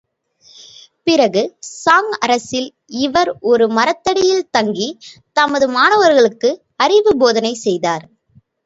பிறகு, ட்சாங் அரசில் இவர் ஒரு மரத்தடியில் தங்கி தமது மாணவர்களுக்கு அறிவு போதனை செய்தார்.